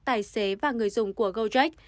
tài xế và người dùng của gojek